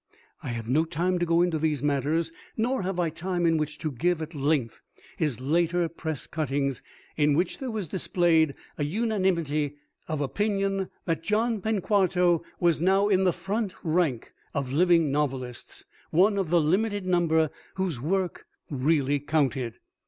I have no time to go into these matters, nor have I time in which to give at length his later Press cuttings, in which there was displayed a unanimity of opinion that John Penquarto was now in the front rank of living novelists, one of the limited number whose work really counted.